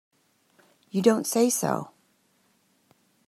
You don't say so!